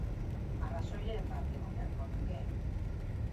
Arrazoiren bat egon beharko luke.